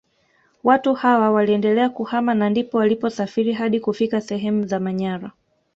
Watu hawa waliendelea kuhama na ndipo waliposafiri hadi kufika sehemu za Manyara